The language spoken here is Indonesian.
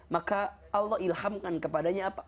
maka allah ilhamkan kepadanya apa